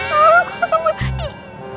enggak waduh enggak waduh